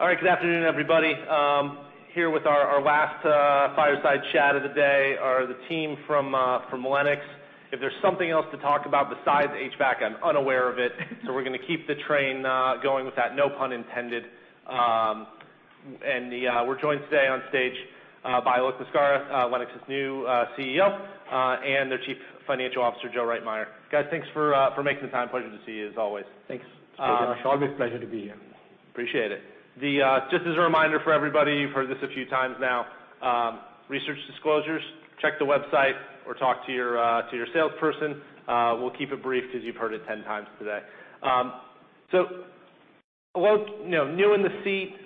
All right. Good afternoon, everybody. Here with our last fireside chat of the day are the team from Lennox. If there's something else to talk about besides HVAC, I'm unaware of it. We're gonna keep the train going with that, no pun intended. We're joined today on stage by Alok Maskara, Lennox's new CEO, and their Chief Financial Officer, Joe Reitmeier. Guys, thanks for making the time. Pleasure to see you as always. Thanks, Josh. Always a pleasure to be here. Appreciate it. Just as a reminder for everybody, you've heard this a few times now. Research disclosures, check the website or talk to your salesperson. We'll keep it brief 'cause you've heard it 10 times today. Alok, new in the seat,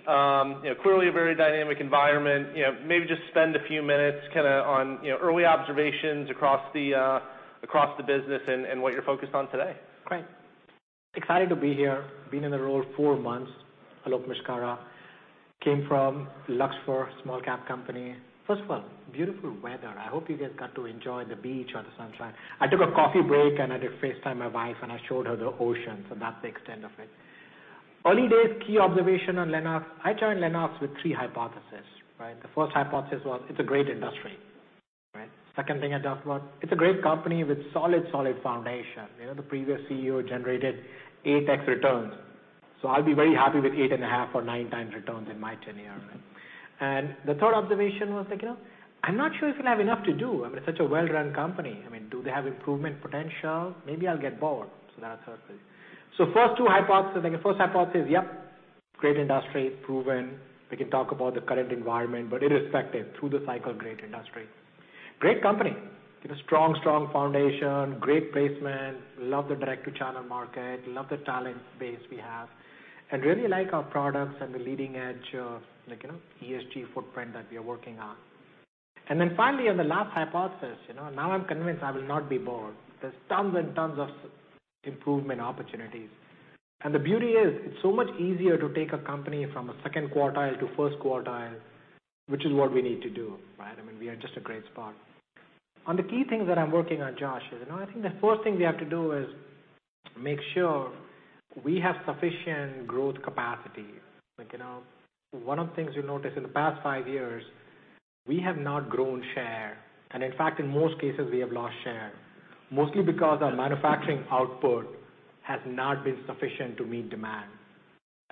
clearly a very dynamic environment. Maybe just spend a few minutes kinda on, early observations across the business and what you're focused on today. Great. Excited to be here. Been in the role four months. Alok Maskara. Came from Luxfer, small-cap company. First of all, beautiful weather. I hope you guys got to enjoy the beach or the sunshine. I took a coffee break, and I did FaceTime my wife, and I showed her the ocean, so that's the extent of it. Early days key observation on Lennox. I joined Lennox with three hypothesis, right? The first hypothesis was, it's a great industry, right? Second thing I talked about, it's a great company with solid foundation. The previous CEO generated 8x returns, so I'll be very happy with 8.5 or 9 times returns in my tenure, right? The third observation was like, I'm not sure if you'll have enough to do. I mean, it's such a well-run company. I mean, do they have improvement potential? Maybe I'll get bored, so that's how it is. First two hypotheses, I think the first hypothesis, yep, great industry, proven. We can talk about the current environment, but irrespective, through the cycle, great industry. Great company. Strong foundation, great placement, love the direct-to-channel market, love the talent base we have, and really like our products and the leading edge of like, ESG footprint that we are working on. Then finally, on the last hypothesis, now I'm convinced I will not be bored. There's tons and tons of improvement opportunities. The beauty is, it's so much easier to take a company from a second quartile to first quartile, which is what we need to do, right? I mean, we are at just a great spot. On the key things that I'm working on, Josh, is I think the first thing we have to do is make sure we have sufficient growth capacity. Like, one of the things you notice in the past five years, we have not grown share, and in fact, in most cases, we have lost share, mostly because our manufacturing output has not been sufficient to meet demand.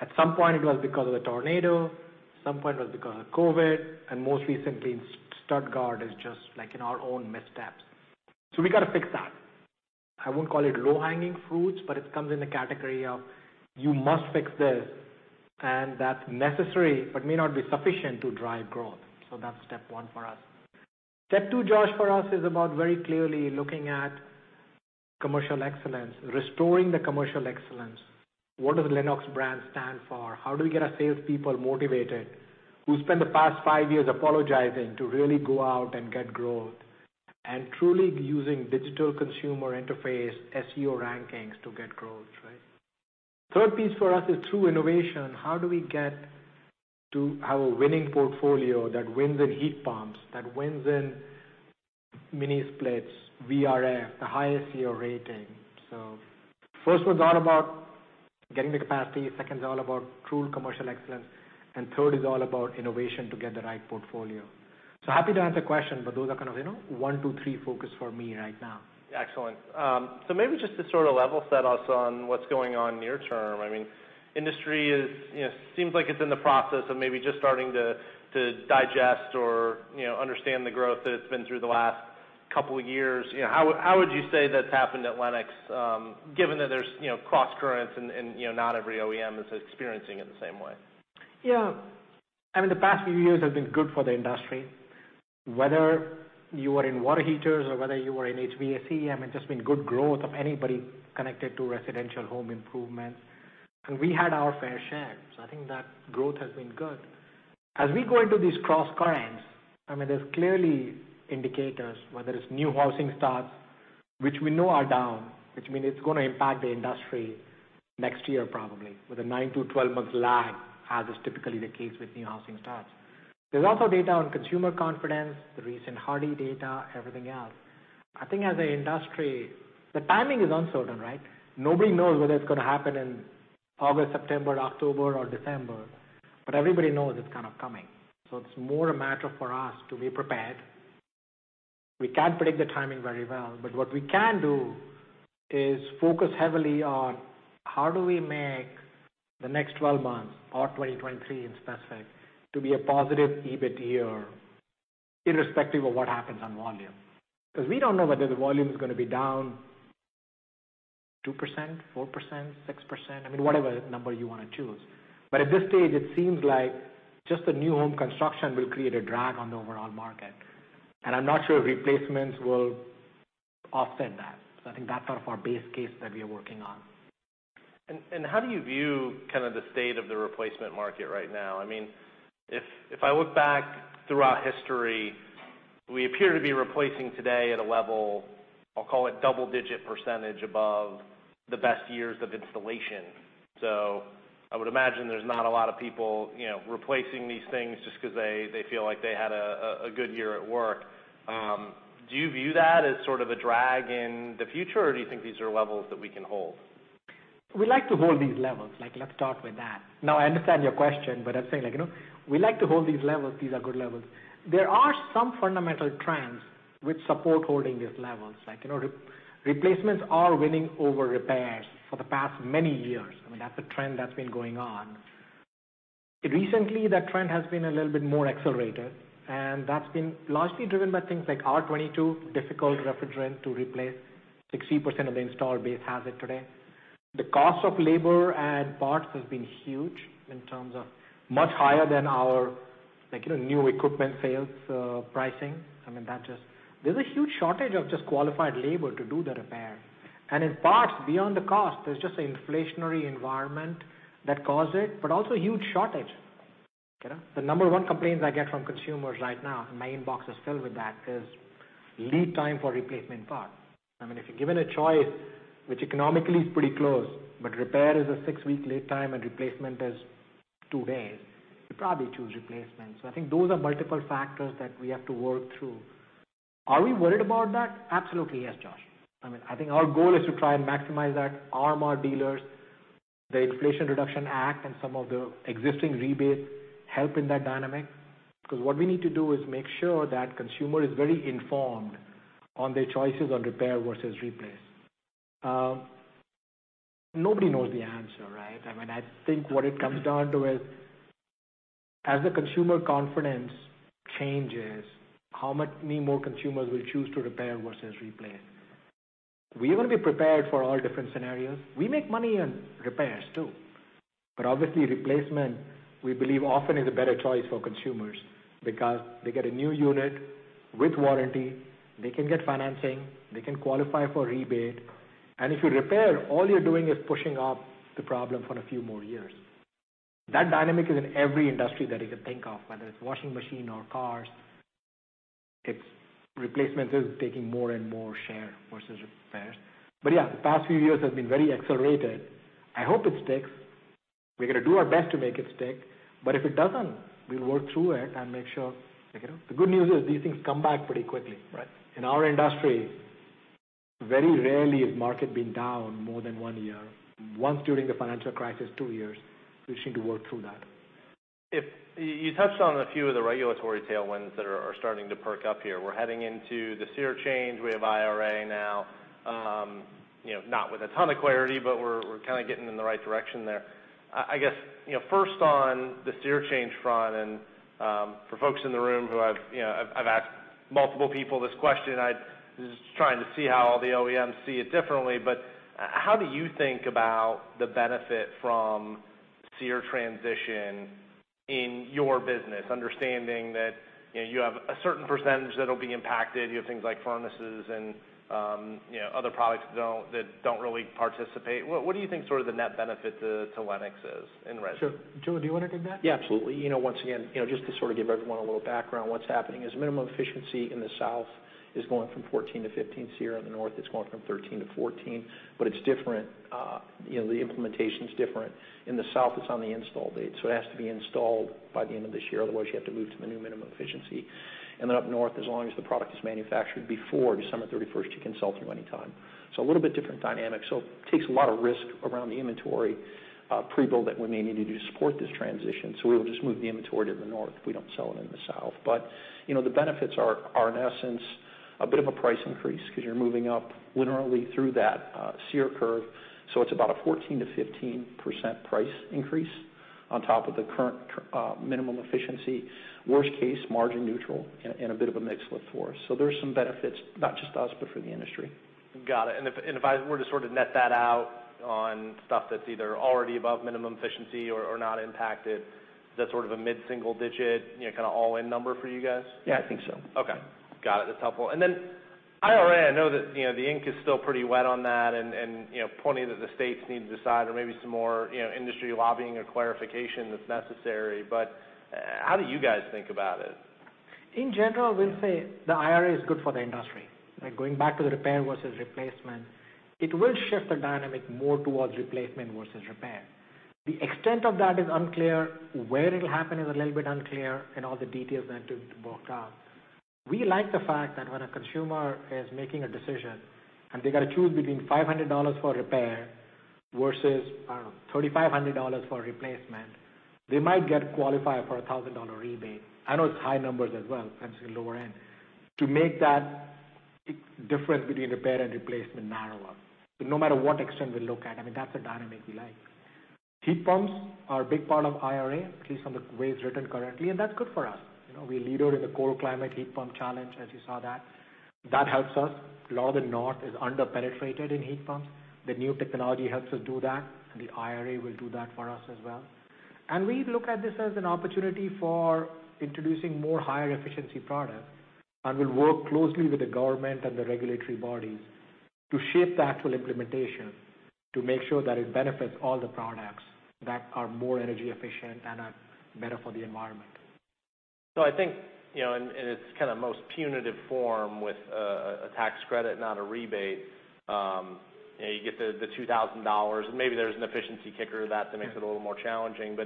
At some point, it was because of the tornado, some point it was because of COVID, and most recently, Stuttgart is just like, our own missteps. So we gotta fix that. I won't call it low-hanging fruits, but it comes in a category of you must fix this, and that's necessary, but may not be sufficient to drive growth. So that's step one for us. Step two, Josh, for us, is about very clearly looking at commercial excellence, restoring the commercial excellence. What does Lennox brand stand for? How do we get our salespeople motivated, who spent the past five years apologizing, to really go out and get growth, and truly using digital consumer interface SEO rankings to get growth, right? Third piece for us is true innovation. How do we get to have a winning portfolio that wins in heat pumps, that wins in mini splits, VRF, the highest COP rating? First one's all about getting the capacity, second's all about true commercial excellence, and third is all about innovation to get the right portfolio. Happy to answer question, but those are kind of, one, two, three focus for me right now. Excellent. So maybe just to sort of level set us on what's going on near term. I mean, industry is, seems like it's in the process of maybe just starting to digest or, understand the growth that it's been through the last couple years. How would you say that's happened at Lennox, given that there's, crosscurrents and, not every OEM is experiencing it the same way? Yeah. I mean, the past few years have been good for the industry. Whether you were in water heaters or whether you were in HVAC, I mean, just been good growth of anybody connected to residential home improvement. We had our fair share, so I think that growth has been good. As we go into these crosscurrents, I mean, there's clearly indicators, whether it's new housing starts, which we know are down, which mean it's gonna impact the industry next year probably, with a 9-12 months lag, as is typically the case with new housing starts. There's also data on consumer confidence, the recent HARDI data, everything else. I think as a industry, the timing is uncertain, right? Nobody knows whether it's gonna happen in August, September, October, or December, but everybody knows it's coming. It's more a matter for us to be prepared. We can't predict the timing very well, but what we can do is focus heavily on how do we make the next 12 months, or 2023 in specific, to be a positive EBIT year irrespective of what happens on volume. 'Cause we don't know whether the volume is gonna be down 2%, 4%, 6%, I mean, whatever number you wanna choose. At this stage, it seems like just the new home construction will create a drag on the overall market, and I'm not sure replacements will offset that. I think that's sort of our base case that we are working on. How do you view the state of the replacement market right now? I mean, if I look back throughout history, we appear to be replacing today at a level, I'll call it double-digit % above the best years of installation. I would imagine there's not a lot of people, replacing these things just 'cause they feel like they had a good year at work. Do you view that as sort of a drag in the future, or do you think these are levels that we can hold? We like to hold these levels, like let's start with that. Now I understand your question, but I'm saying like, we like to hold these levels. These are good levels. There are some fundamental trends which support holding these levels. Like, replacements are winning over repairs for the past many years. I mean, that's a trend that's been going on. Recently, that trend has been a little bit more accelerated, and that's been largely driven by things like R22, difficult refrigerant to replace. 60% of the installed base has it today. The cost of labor and parts has been huge in terms of much higher than our, like, new equipment sales pricing. I mean, there's a huge shortage of just qualified labor to do the repair. In parts, beyond the cost, there's just an inflationary environment that caused it, but also a huge shortage? The number one complaints I get from consumers right now, my inbox is filled with that, is lead time for replacement parts. I mean, if you're given a choice, which economically is pretty close, but repair is a six-week lead time and replacement is two days, you probably choose replacement. I think those are multiple factors that we have to work through. Are we worried about that? Absolutely, yes, Josh. I mean, I think our goal is to try and maximize that, arm our dealers. The Inflation Reduction Act and some of the existing rebates help in that dynamic. 'Cause what we need to do is make sure that consumer is very informed on their choices on repair versus replace. Nobody knows the answer, right? I mean, I think what it comes down to is as the consumer confidence changes, how many more consumers will choose to repair versus replace? We will be prepared for all different scenarios. We make money on repairs too. Obviously replacement, we believe often is a better choice for consumers because they get a new unit with warranty, they can get financing, they can qualify for rebate. If you repair, all you're doing is pushing off the problem for a few more years. That dynamic is in every industry that you can think of, whether it's washing machine or cars. It's. Replacement is taking more and more share versus repairs. Yeah, the past few years have been very accelerated. I hope it sticks. We're gonna do our best to make it stick. If it doesn't, we'll work through it and make sure. The good news is these things come back pretty quickly, right? In our industry, very rarely has market been down more than one year. Once during the financial crisis, two years. We seem to work through that. You touched on a few of the regulatory tailwinds that are starting to perk up here. We're heading into the SEER change. We have IRA now, not with a ton of clarity, but we're kinda getting in the right direction there. I guess, first on the SEER change front and for folks in the room who I've asked multiple people this question. I'm just trying to see how all the OEMs see it differently. But how do you think about the benefit from SEER transition in your business, understanding that, you have a certain percentage that'll be impacted. You have things like furnaces and, other products that don't really participate. What do you think sort of the net benefit to Lennox is in resi? Joe, do you wanna take that? Yeah, absolutely. Once again, just to sort of give everyone a little background, what's happening is minimum efficiency in the South is going from 14 to 15 SEER. In the North, it's going from 13 to 14, but it's different, the implementation's different. In the South, it's on the install date, so it has to be installed by the end of this year. Otherwise, you have to move to the new minimum efficiency. Up North, as long as the product is manufactured before December 31, you can sell it through any time. A little bit different dynamic. Takes a lot of risk around the inventory, pre-build that we may need to do to support this transition. We will just move the inventory to the North if we don't sell it in the South. The benefits are in essence a bit of a price increase 'cause you're moving up literally through that SEER curve. It's about a 14%-15% price increase on top of the current minimum efficiency. Worst case, margin neutral and a bit of a mix lift for us. There's some benefits, not just us, but for the industry. Got it. If I were to sort of net that out on stuff that's either already above minimum efficiency or not impacted, is that sort of a mid-single digit, kinda all-in number for you guys? Yeah, I think so. Okay. Got it. That's helpful. Then IRA, I know that, the ink is still pretty wet on that and, plenty that the states need to decide or maybe some more, ndustry lobbying or clarification that's necessary. How do you guys think about it? In general, we'll say the IRA is good for the industry. Like going back to the repair versus replacement, it will shift the dynamic more towards replacement versus repair. The extent of that is unclear. Where it'll happen is a little bit unclear, and all the details are to be worked out. We like the fact that when a consumer is making a decision, and they gotta choose between $500 for repair versus, I don't know, $3,500 for replacement, they might get qualified for a $1,000 rebate. I know it's high numbers as well, hence the lower end. To make that difference between repair and replacement narrower, no matter what extent we look at, I mean, that's a dynamic we like. Heat pumps are a big part of IRA, at least from the way it's written currently, and that's good for us. We lead out in the Cold Climate Heat Pump Challenge, as you saw that. That helps us. A lot of the North is under-penetrated in heat pumps. The new technology helps us do that, and the IRA will do that for us as well. We look at this as an opportunity for introducing more higher efficiency products, and we'll work closely with the government and the regulatory bodies to shape the actual implementation to make sure that it benefits all the products that are more energy efficient and are better for the environment. I think, in its kinda most punitive form with a tax credit, not a rebate, you get the $2,000, and maybe there's an efficiency kicker to that that makes it a little more challenging.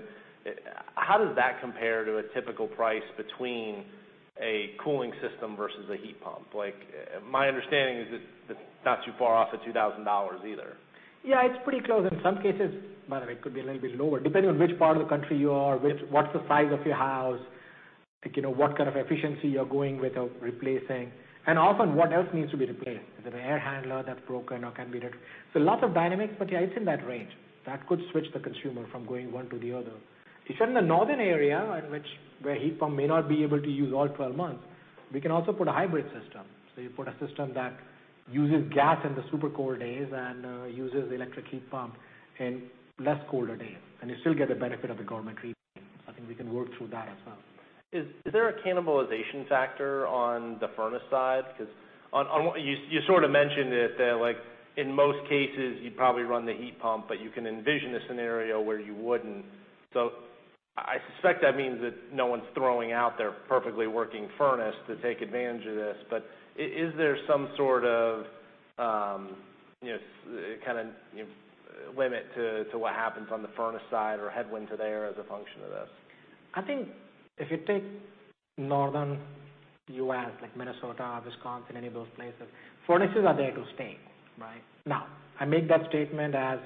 How does that compare to a typical price between a cooling system versus a heat pump. Like, my understanding is it's not too far off of $2,000 either. Yeah, it's pretty close. In some cases, by the way, it could be a little bit lower, depending on which part of the country you are, the size of your house. Like, what efficiency you're going with or replacing. Often, what else needs to be replaced. Is it an air handler that's broken or can be replaced? Lots of dynamics, but yeah, it's in that range. That could switch the consumer from going one to the other. If you're in the northern area, where heat pump may not be able to use all 12 months, we can also put a hybrid system. You put a system that uses gas in the super cold days and uses electric heat pump in less colder days, and you still get the benefit of the government rebates. I think we can work through that as well. Is there a cannibalization factor on the furnace side? 'Cause you sort of mentioned it, that, like, in most cases, you'd probably run the heat pump, but you can envision a scenario where you wouldn't. I suspect that means that no one's throwing out their perfectly working furnace to take advantage of this. Is there some sort of, kind of, limit to what happens on the furnace side or headwind to there as a function of this? I think if you take northern U.S., like Minnesota, Wisconsin, any of those places, furnaces are there to stay, right? Now, I make that statement as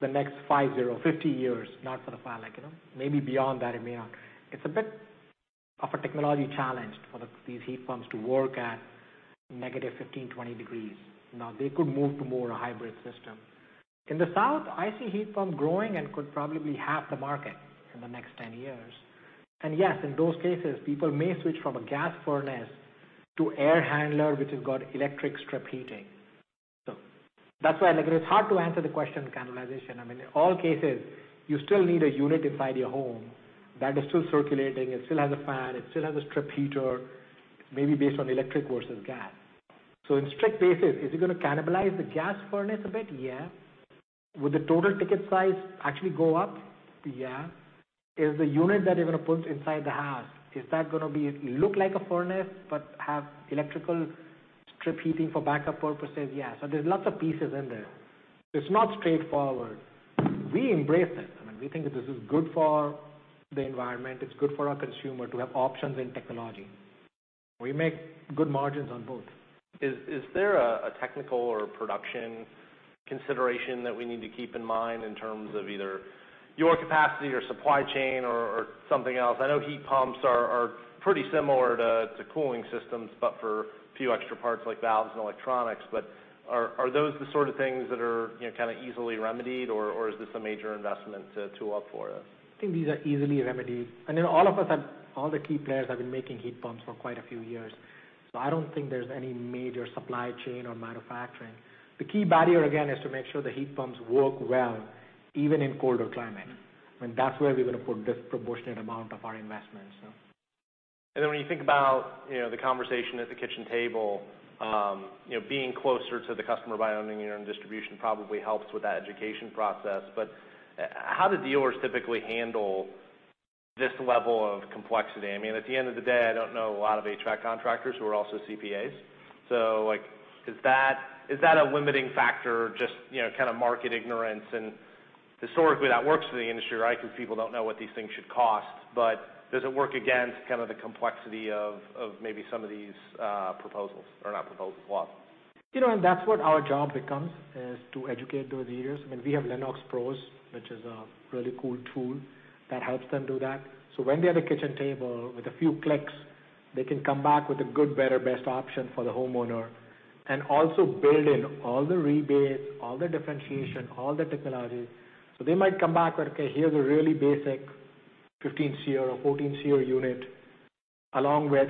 the next 50 years, not sort of far, like, maybe beyond that it may not. It's a bit of a technology challenge for these heat pumps to work at negative 15, 20 degrees. Now, they could move to more a hybrid system. In the south, I see heat pumps growing and could probably be half the market in the next 10 years. Yes, in those cases, people may switch from a gas furnace to air handler, which has got electric strip heating. That's why, like, it's hard to answer the question cannibalization. I mean, in all cases, you still need a unit inside your home that is still circulating. It still has a fan, it still has a strip heater, maybe based on electric versus gas. In strict basis, is it gonna cannibalize the gas furnace a bit? Yeah. Will the total ticket size actually go up? Yeah. Is the unit that you're gonna put inside the house gonna look like a furnace, but have electrical strip heating for backup purposes? Yeah. There's lots of pieces in there. It's not straightforward. We embrace it. I mean, we think this is good for the environment. It's good for our consumer to have options in technology. We make good margins on both. Is there a technical or production consideration that we need to keep in mind in terms of either your capacity or supply chain or something else? I know heat pumps are pretty similar to cooling systems, but for a few extra parts like valves and electronics. Are those the sort of things that are, easily remedied? Is this a major investment to up for this? I think these are easily remedied. I know all the key players have been making heat pumps for quite a few years, so I don't think there's any major supply chain or manufacturing. The key barrier, again, is to make sure the heat pumps work well, even in colder climate. I mean, that's where we're gonna put disproportionate amount of our investments, so. Then when you think about, the conversation at the kitchen table, being closer to the customer by owning your own distribution probably helps with that education process. How do dealers typically handle this level of complexity? I mean, at the end of the day, I don't know a lot of HVAC contractors who are also CPAs. Like, is that, is that a limiting factor, just, market ignorance? Historically, that works for the industry, right? 'Cause people don't know what these things should cost. Does it work against the complexity of maybe some of these proposals or not proposals, laws? That's what our job becomes is to educate those dealers. I mean, we have LennoxPros, which is a really cool tool that helps them do that. When they're at a kitchen table, with a few clicks, they can come back with a good, better, best option for the homeowner and also build in all the rebates, all the differentiation, all the technologies. They might come back like, "Okay, here's a really basic 15 SEER or 14 SEER unit, along with,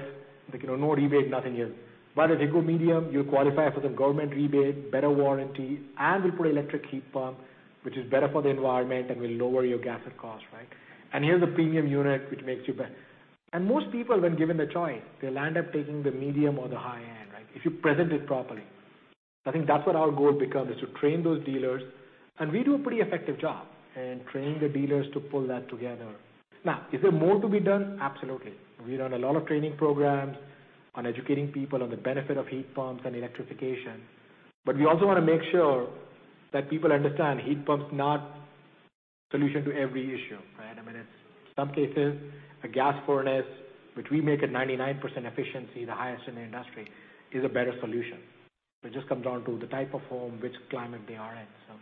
like, no rebate, nothing here. But if you go medium, you qualify for the government rebate, better warranty, and we'll put electric heat pump, which is better for the environment and will lower your gas cost, right? Here's a premium unit which makes you better. Most people, when given the choice, they'll end up taking the medium or the high-end, right? If you present it properly. I think that's what our goal becomes, is to train those dealers. We do a pretty effective job in training the dealers to pull that together. Now, is there more to be done? Absolutely. We run a lot of training programs on educating people on the benefit of heat pumps and electrification. We also wanna make sure that people understand heat pump's not solution to every issue, right? I mean, it's some cases, a gas furnace, which we make at 99% efficiency, the highest in the industry, is a better solution. It just comes down to the type of home, which climate they are in, so.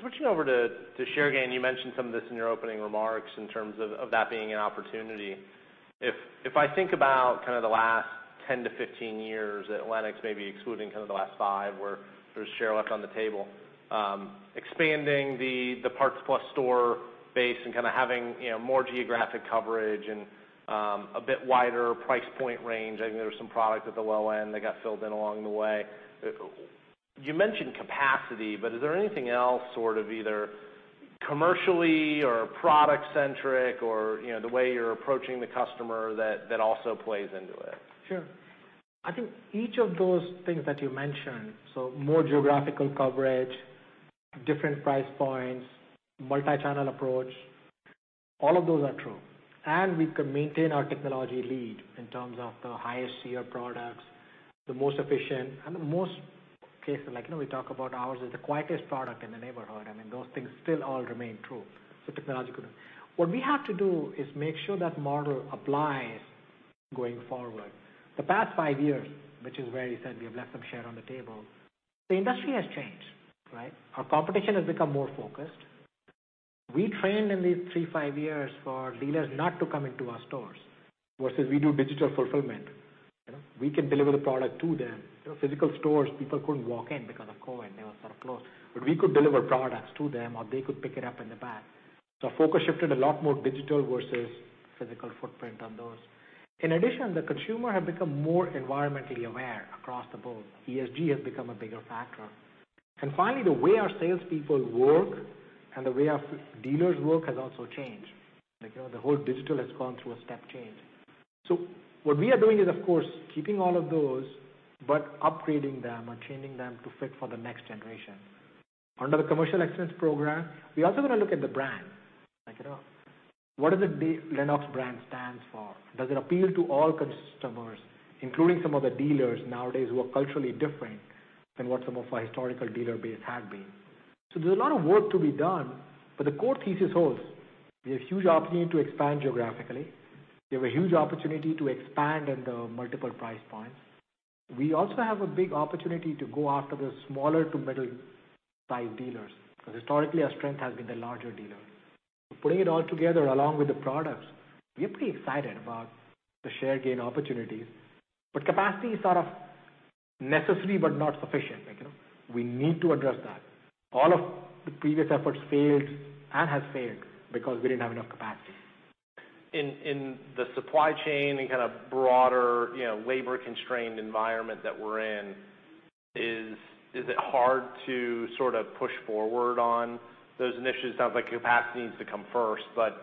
Switching over to share gain, you mentioned some of this in your opening remarks in terms of that being an opportunity. If I think about the last 10-15 years at Lennox, maybe excluding the last 5, where there's share left on the table, expanding the PartsPlus store base and kinda having, more geographic coverage and a bit wider price point range. I think there was some product at the low end that got filled in along the way. You mentioned capacity, but is there anything else sort of either commercially or product centric or, the way you're approaching the customer that also plays into it? Sure. I think each of those things that you mentioned, so more geographical coverage, different price points, multi-channel approach, all of those are true. We can maintain our technology lead in terms of the highest SEER products, the most efficient, like, we talk about ours is the quietest product in the neighborhood. I mean, those things still all remain true. Technological. What we have to do is make sure that model applies going forward. The past 5 years, which is where you said we have left some share on the table, the industry has changed, right? Our competition has become more focused. The trend in these 3-5 years for dealers not to come into our stores versus we do digital fulfillment. We can deliver the product to them. Physical stores, people couldn't walk in because of COVID. They were sort of closed, but we could deliver products to them, or they could pick it up in the back. Focus shifted a lot more digital versus physical footprint on those. In addition, the consumer have become more environmentally aware across the board. ESG has become a bigger factor. Finally, the way our salespeople work and the way our field dealers work has also changed. Like, the whole digital has gone through a step change. What we are doing is, of course, keeping all of those, but upgrading them or training them to fit for the next generation. Under the commercial excellence program, we also gonna look at the brand. Like, what does Lennox brand stand for? Does it appeal to all customers, including some of the dealers nowadays who are culturally different than what some of our historical dealer base had been? There's a lot of work to be done, but the core thesis holds. We have huge opportunity to expand geographically. We have a huge opportunity to expand in the multiple price points. We also have a big opportunity to go after the smaller to middle-sized dealers, 'cause historically, our strength has been the larger dealers. Putting it all together along with the products, we are pretty excited about the share gain opportunities. Capacity is sort of necessary but not sufficient. Like, we need to address that. All of the previous efforts failed and has failed because we didn't have enough capacity. In the supply chain and broader, labor-constrained environment that we're in, is it hard to sort of push forward on those initiatives? Sounds like capacity needs to come first, but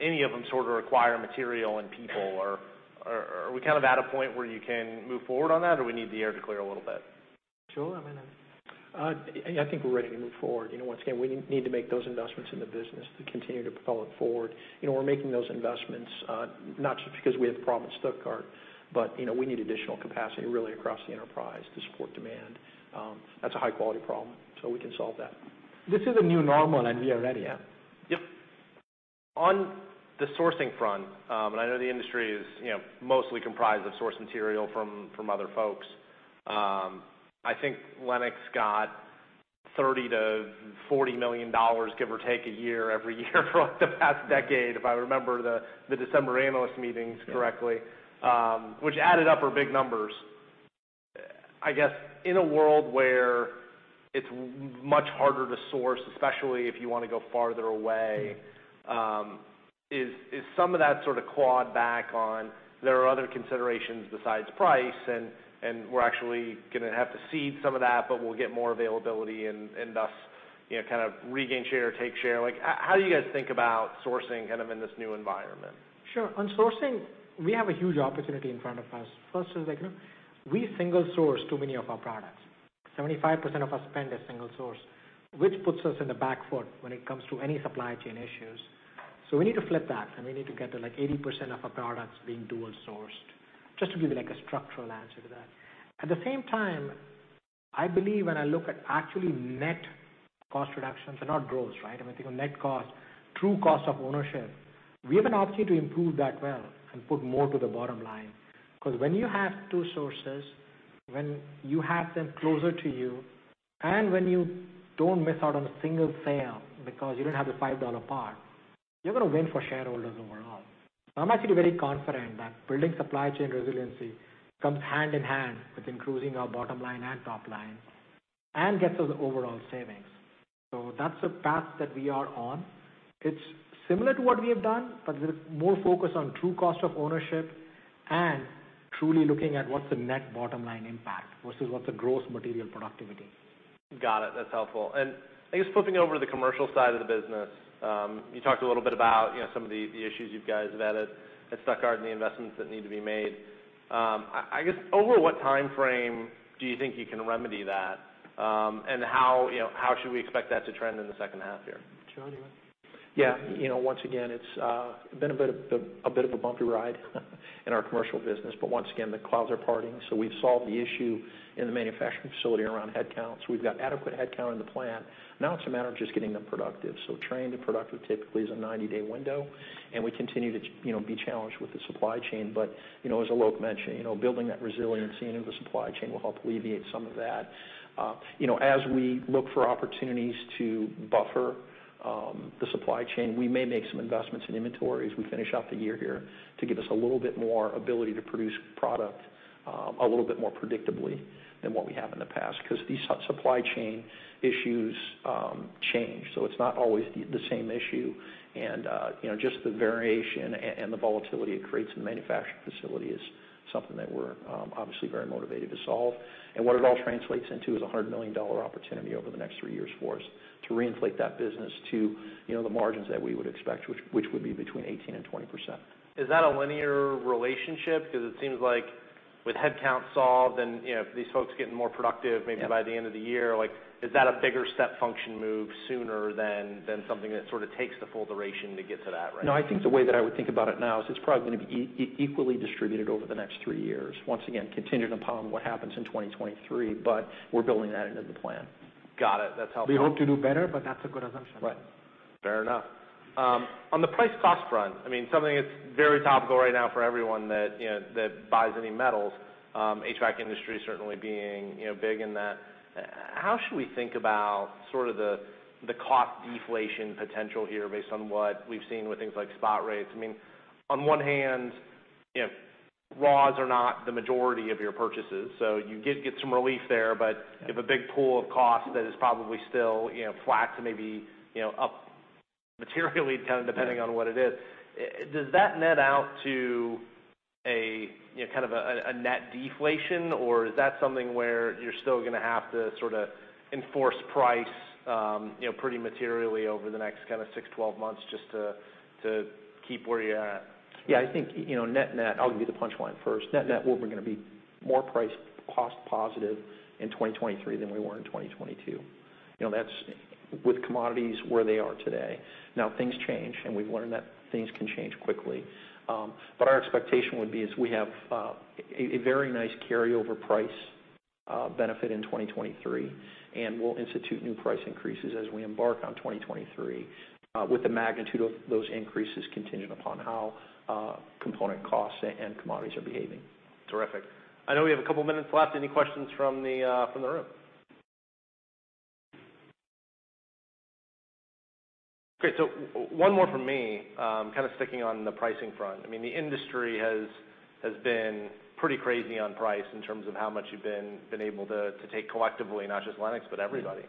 any of them sort of require material and people or are we at a point where you can move forward on that, or we need the air to clear a little bit? Sure. I mean, Yeah, I think we're ready to move forward. Once again, we need to make those investments in the business to continue to propel it forward. We're making those investments, not just because we have a problem at Stuttgart, but, we need additional capacity really across the enterprise to support demand. That's a high-quality problem, so we can solve that. This is a new normal, and we are ready, yeah. Yep. On the sourcing front, I know the industry is, mostly comprised of source material from other folks. I think Lennox got $30 million-$40 million, give or take, a year every year for like the past decade, if I remember the December analyst meetings correctly. Yeah. Which added up are big numbers. I guess in a world where it's much harder to source, especially if you wanna go farther away, is some of that sort of clawed back on? There are other considerations besides price, and we're actually gonna have to cede some of that, but we'll get more availability and, thus, regain share or take share. Like, how do you guys think about sourcing in this new environment? Sure. On sourcing, we have a huge opportunity in front of us. First is like, we single source too many of our products. 75% of our spend is single source, which puts us in the back foot when it comes to any supply chain issues. We need to flip that, and we need to get to, like, 80% of our products being dual sourced, just to give you, like, a structural answer to that. At the same time, I believe when I look at actually net cost reductions and not gross, right? I mean, think of net cost, true cost of ownership. We have an opportunity to improve that well and put more to the bottom line. 'Cause when you have two sources, when you have them closer to you, and when you don't miss out on a single sale because you don't have the $5 part, you're gonna win for shareholders overall. I'm actually very confident that building supply chain resiliency comes hand in hand with increasing our bottom line and top line and gets us overall savings. That's the path that we are on. It's similar to what we have done, but with more focus on true cost of ownership and truly looking at what's the net bottom line impact versus what's the gross material productivity. Got it. That's helpful. I guess flipping over to the commercial side of the business, you talked a little bit about, some of the issues you guys have had at Stuttgart and the investments that need to be made. I guess over what timeframe do you think you can remedy that, and how should we expect that to trend in the second half here? John, do you want? Once again, it's been a bit of a bumpy ride in our commercial business. Once again, the clouds are parting. We've solved the issue in the manufacturing facility around headcount. We've got adequate headcount in the plant. Now it's a matter of just getting them productive. Trained and productive typically is a 90-day window, and we continue to, be challenged with the supply chain. As Alok mentioned, building that resiliency into the supply chain will help alleviate some of that. As we look for opportunities to buffer the supply chain, we may make some investments in inventory as we finish out the year here to give us a little bit more ability to produce product a little bit more predictably than what we have in the past 'cause these supply chain issues change, so it's not always the same issue. Just the variation and the volatility it creates in the manufacturing facility is something that we're obviously very motivated to solve. What it all translates into is a $100 million opportunity over the next three years for us to reinflate that business to, the margins that we would expect, which would be between 18% and 20%. Is that a linear relationship? 'Cause it seems like with headcount solved and, these folks getting more productive- Yeah. Maybe by the end of the year, like, is that a bigger step function move sooner than something that sort of takes the full duration to get to that range? No, I think the way that I would think about it now is it's probably gonna be equally distributed over the next three years, once again, contingent upon what happens in 2023, but we're building that into the plan. Got it. That's helpful. We hope to do better, but that's a good assumption. Right. Fair enough. On the price cost front, I mean, something that's very topical right now for everyone that buys any metals, HVAC industry certainly being, big in that. How should we think about sort of the cost deflation potential here based on what we've seen with things like spot rates? I mean, on one hand, raws are not the majority of your purchases, so you get some relief there. You have a big pool of costs that is probably still, flat to maybe, up materially, kind of depending on what it is. Does that net out to a, kind of a net deflation, or is that something where you're still gonna have to sorta enforce price, pretty materially over the next kinda 6-12 months just to keep where you're at? Yeah, I think, net-net, I'll give you the punchline first. Net-net, we're gonna be more price cost positive in 2023 than we were in 2022. That's with commodities where they are today. Now, things change, and we've learned that things can change quickly. But our expectation would be is we have a very nice carryover price benefit in 2023, and we'll institute new price increases as we embark on 2023, with the magnitude of those increases contingent upon how component costs and commodities are behaving. Terrific. I know we have a couple minutes left. Any questions from the room? Great. One more from me, kind of sticking on the pricing front. I mean, the industry has been pretty crazy on price in terms of how much you've been able to take collectively, not just Lennox, but everybody.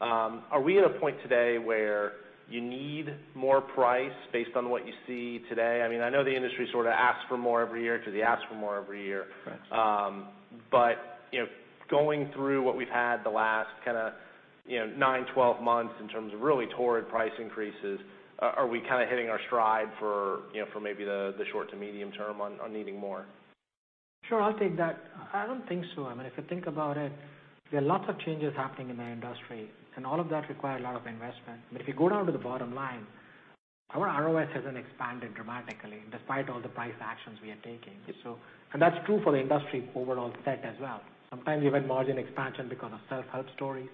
Are we at a point today where you need more price based on what you see today? I mean, I know the industry sorta asks for more every year 'cause they ask for more every year. Right. Going through what we've had the last kinda 9-12 months in terms of really torrid price increases, are we kinda hitting our stride for maybe the short to medium term on needing more? Sure, I'll take that. I don't think so. I mean, if you think about it, there are lots of changes happening in the industry, and all of that require a lot of investment. But if you go down to the bottom line, our ROS hasn't expanded dramatically despite all the price actions we are taking. That's true for the industry overall, as well. Sometimes you have margin expansion because of self-help stories,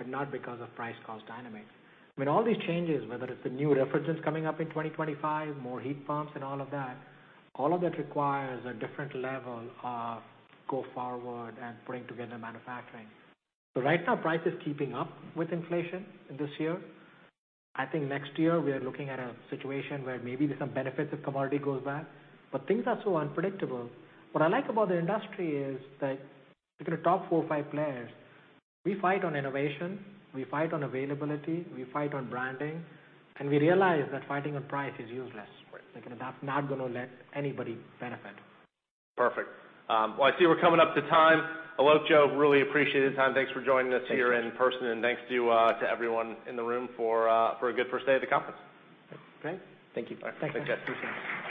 but not because of price cost dynamics. I mean, all these changes, whether it's the new refrigerants coming up in 2025, more heat pumps and all of that, all of that requires a different level of go forward and putting together manufacturing. Right now, price is keeping up with inflation this year. I think next year we are looking at a situation where maybe there's some benefits if commodity goes back, but things are so unpredictable. What I like about the industry is that, look at the top four or five players, we fight on innovation, we fight on availability, we fight on branding, and we realize that fighting on price is useless. Right. Like, that's not gonna let anybody benefit. Perfect. Well, I see we're coming up to time. Alok, Joe, really appreciate your time. Thanks for joining us here. Thank you. In person, thanks to you, to everyone in the room for a good first day of the conference. Okay. Thank you. All right. Take care. Appreciate it.